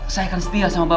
saya akan setia sama bapak